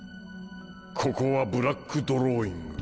ここはブラックドローイング